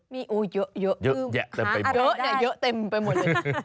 มีเยอะหาเยอะเยอะเต็มไปหมดเลย